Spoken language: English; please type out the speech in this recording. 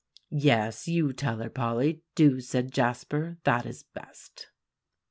"Yes, you tell her, Polly, do," said Jasper; "that is best."